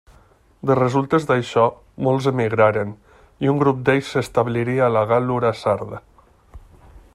De resultes d'això, molts emigraren, i un grup d'ells s'establiria a la Gal·lura sarda.